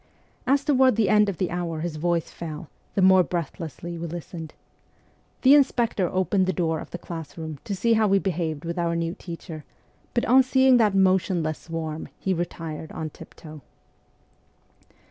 As toward the end of the hour his voice fell, the more breathlessly we listened. The inspector opened the door of the class room, to see how we behaved with our new teacher ; but on seeing that motionless swarm he retired on tiptoe.